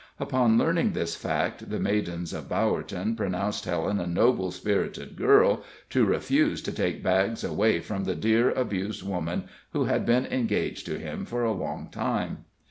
Upon learning this fact, the maidens of Bowerton pronounced Helen a noble spirited girl to refuse to take Baggs away from the dear, abused woman who had been engaged to him for a long time.